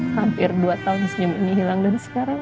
hampir dua tahun senyum ini hilang dan sekarang